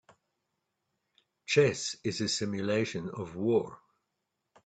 Chess is a simulation of war.